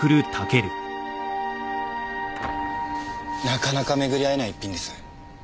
なかなか巡り合えない逸品です。